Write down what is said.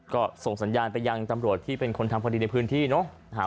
ก็ส่งสัญญาณไปยังตำรวจที่เป็นคนทำพอดีในพื้นที่เนอะ